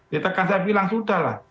ditekan saya bilang sudah lah